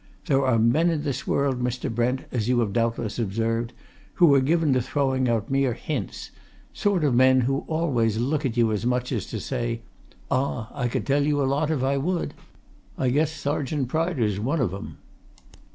There are men in this world, Mr. Brent, as you have doubtless observed, who are given to throwing out mere hints sort of men who always look at you as much as to say, 'Ah, I could tell a lot if I would!' I guess Sergeant Pryder's one of 'em."